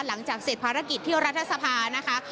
หลังจากเสร็จภารกิจเที่ยวรัฐสภานะคะ